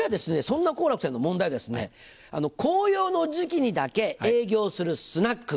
そんな好楽さんへの問題は紅葉の時期にだけ営業するスナック。